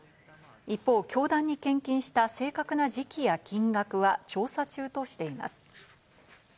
一方、教団に献金した正確な時期や金額は調査中としています。